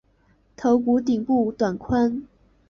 头骨顶部短宽。